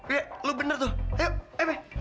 iya lu bener tuh ayo ayo be